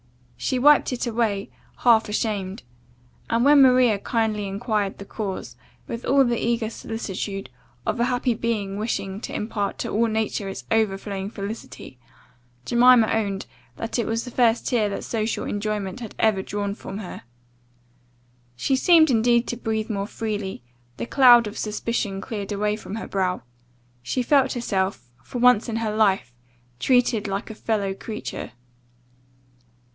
She wiped it away, half ashamed; and when Maria kindly enquired the cause, with all the eager solicitude of a happy being wishing to impart to all nature its overflowing felicity, Jemima owned that it was the first tear that social enjoyment had ever drawn from her. She seemed indeed to breathe more freely; the cloud of suspicion cleared away from her brow; she felt herself, for once in her life, treated like a fellow creature.